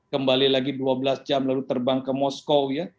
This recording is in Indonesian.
kembali lagi dua belas jam lalu terbang ke moskow ya